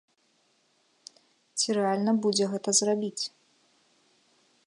Ці рэальна будзе гэта зрабіць?